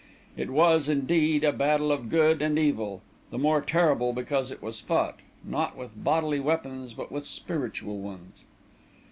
It was, indeed, a battle of good and evil, the more terrible because it was fought, not with bodily weapons, but with spiritual ones.